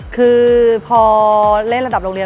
คือพอเล่นระดับโรงเรียน